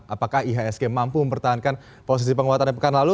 apakah ihsg mampu mempertahankan posisi penguatannya pekan lalu